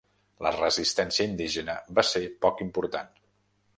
La resistència indígena va ser poc important.